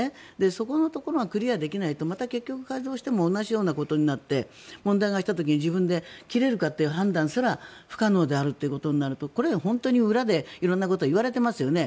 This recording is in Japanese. そこのところがクリアできないとまた結局改造しても同じようなことになって問題が起きた時に自分で切れるかという判断すら不可能であるということになるとこれは本当に裏で色んなことがいわれてますよね。